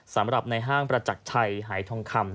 สำหรับในห้างประจักรชัยหายทองคำ